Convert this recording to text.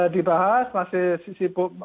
dibahas masih sibuk